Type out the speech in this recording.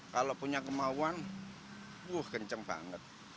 kalau punya kemauan wah kencang banget